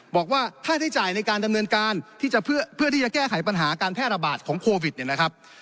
บอกว่าค่าใช้จ่ายในการดำเนินการที่จะเพื่อที่จะแก้ไขปัญหาการแพร่ระบาดของโควิดเนี่ยนะครับ